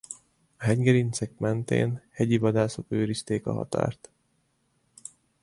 A hegygerincek mentén hegyivadászok őrizték a határt.